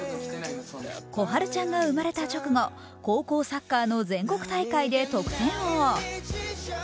心春ちゃんが生まれた直後高校サッカーの全国大会で得点王。